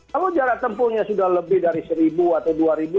kalau jarak tempuhnya sudah lebih dari seribu atau dua ribu